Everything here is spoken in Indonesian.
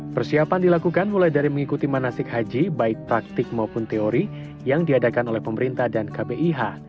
persiapan dilakukan mulai dari mengikuti manasik haji baik praktik maupun teori yang diadakan oleh pemerintah dan kbih